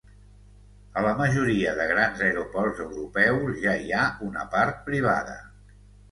a la majoria de grans aeroports europeus ja hi ha una part privada